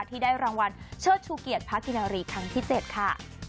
ที่ได้รางวัลเชิดชูเกียรติพระกินารีครั้งที่๗ค่ะ